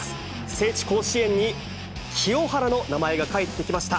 聖地、甲子園に、清原の名前が帰ってきました。